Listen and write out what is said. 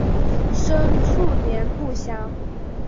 生卒年不详。